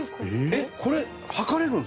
えっこれ測れるんですか？